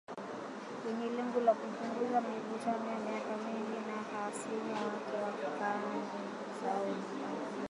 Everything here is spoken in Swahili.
Yenye lengo la kupunguza mivutano ya miaka mingi na hasimu wake wa kikanda Saudi.